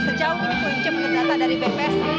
sejauh ini punca penerbataan dari bps